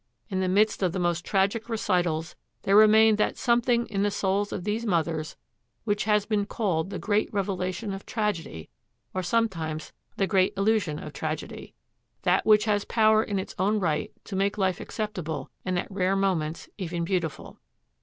In the midst of the most tragic recitals there remained that something in the souls of these mothers which has been called the great revelation of tragedy, or sometimes the great illusion of tragedy that which has power in its own right to make life acceptable and at rare moments even beautiful.